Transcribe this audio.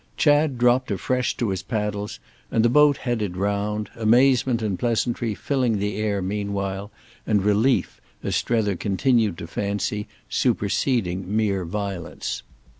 Chad dropped afresh to his paddles and the boat headed round, amazement and pleasantry filling the air meanwhile, and relief, as Strether continued to fancy, superseding mere violence.